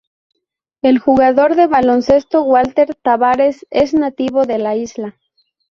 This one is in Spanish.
El jugador de baloncesto Walter Tavares es nativo de la isla.